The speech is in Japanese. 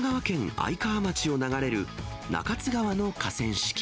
愛川町を流れる中津川の河川敷。